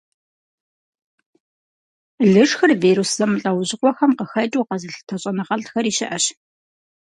Лышхыр вирус зэмылӀэужьыгъуэхэм къыхэкӀыу къэзылъытэ щӀэныгъэлӀхэри щыӀэщ.